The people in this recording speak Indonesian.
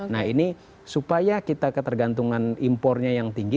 nah ini supaya kita ketergantungan impornya yang tinggi